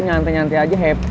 nyantai nyantai aja happy